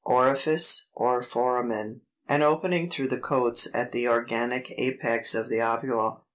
ORIFICE, or FORAMEN, an opening through the coats at the organic apex of the ovule.